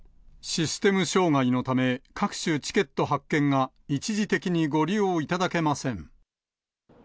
システム障害のため、各種チケット発券が一時的にご利用いただけません。